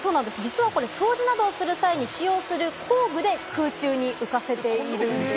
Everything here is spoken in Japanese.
実はこれ、掃除などをする際に使用する工具で空中に浮かせているんです。